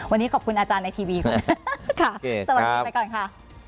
วันนี้ขอบคุณอาจารย์ในทีวีคุณค่ะสวัสดีไปก่อนค่ะ